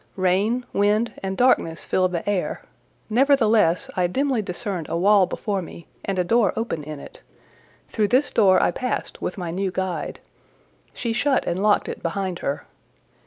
Rain, wind, and darkness filled the air; nevertheless, I dimly discerned a wall before me and a door open in it; through this door I passed with my new guide: she shut and locked it behind her.